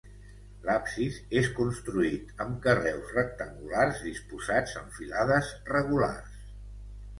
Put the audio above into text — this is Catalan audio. L'absis és construït amb carreus rectangulars disposats en filades regulars.